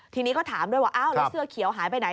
ทีนี้ก็ถามด้วยว่าอ้าวแล้วเสื้อเขียวหายไปไหน